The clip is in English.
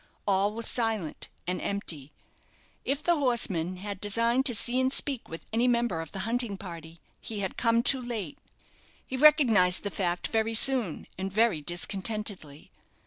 All was silent and empty. If the horseman had designed to see and speak with any member of the hunting party, he had come too late. He recognized the fact very soon, and very discontentedly.